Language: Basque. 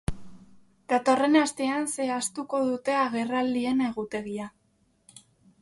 Datorren astean zehaztuko dute agerraldien egutegia.